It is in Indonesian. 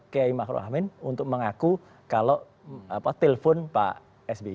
kiai makro amin untuk mengaku kalau telpon pak sby